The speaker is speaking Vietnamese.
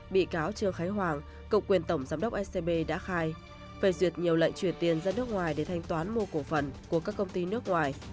bị cáo trương khánh hoàng cựu quyền tổng giám đốc scb đã khai phê duyệt nhiều lệnh chuyển tiền ra nước ngoài để thanh toán mua cổ phần của các công ty nước ngoài